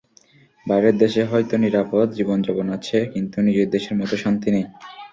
বাইরের দেশে হয়তো নিরাপদ জীবনযাপন আছে, কিন্তু নিজের দেশের মতো শান্তি নেই।